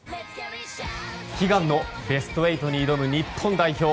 悲願のベスト８に挑む日本代表。